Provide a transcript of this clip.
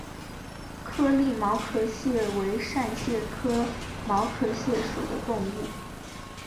颗粒毛壳蟹为扇蟹科毛壳蟹属的动物。